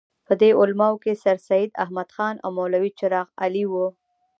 په دې علماوو کې سرسید احمد خان او مولوي چراغ علي وو.